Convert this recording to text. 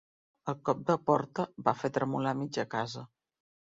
El cop de porta va fer tremolar mitja casa.